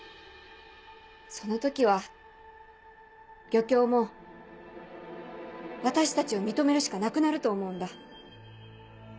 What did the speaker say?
その時は漁協も私たちを認めるしかなくなると思うんだ。